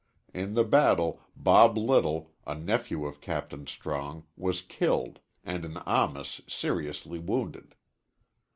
In the battle Bob Little, a nephew of Captain Strong, was killed, and an Amis seriously wounded.